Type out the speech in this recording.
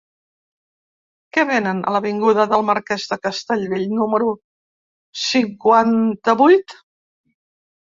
Què venen a l'avinguda del Marquès de Castellbell número cinquanta-vuit?